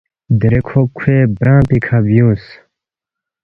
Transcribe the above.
دیرے کھو کھوے برانگ پیکھہ بیُونگس